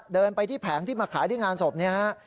เดินไปที่แผงที่มาขายที่งานศพเนี่ยฮะ